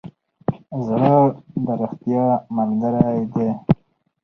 زړه د ریښتیا ملګری دی.